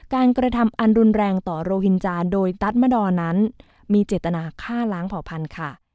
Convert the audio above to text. กระทำอันรุนแรงต่อโรหินจานโดยตั๊ดมดอนนั้นมีเจตนาฆ่าล้างเผ่าพันธุ์ค่ะ